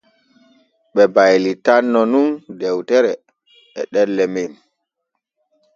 Ɓe baylitanno nun dewtere e ɗelle men.